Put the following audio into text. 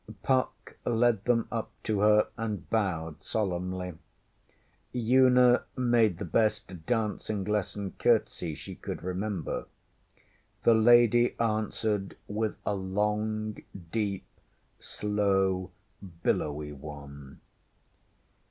Puck led them up to her and bowed solemnly. Una made the best dancing lesson curtsy she could remember. The lady answered with a long, deep, slow, billowy one.